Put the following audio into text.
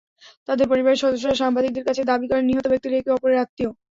তাঁদের পরিবারের সদস্যরা সাংবাদিকদের কাছে দাবি করেন, নিহত ব্যক্তিরা একে অপরের আত্মীয়।